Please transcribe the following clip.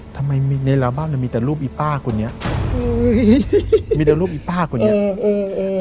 ทำไมมีในราวบ้านมันมีแต่รูปอีป้าคนนี้มีแต่รูปอีป้าคนนี้